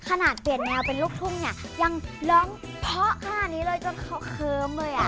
ขนาดเปลี่ยนแนวเป็นลูกทุ่งเนี่ยยังร้องเพาะขนาดนี้เลยจนเขาเคิ้มเลยอ่ะ